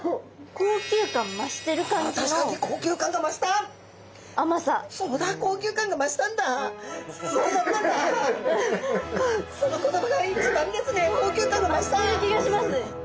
高級感増してる気がします。